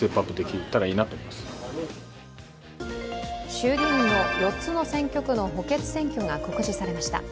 衆議院の４つの選挙区の補欠選挙が告示されました。